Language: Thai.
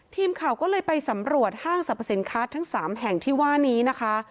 ทีมข่าวก็เลยไปสำรวจห้างสรรพสินค้าทั้ง๓แห่งที่ว่านี้นะคะ